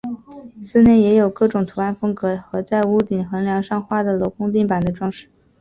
寺内也有各种图案风格和在屋顶横梁上画的镂空地板的装饰。